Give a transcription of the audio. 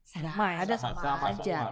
sama ada sama aja